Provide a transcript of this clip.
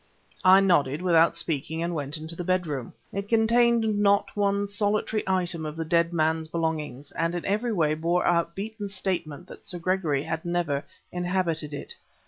I nodded, without speaking, and went into the bedroom. It contained not one solitary item of the dead man's belongings, and in every way bore out Beeton's statement that Sir Gregory had never inhabited it.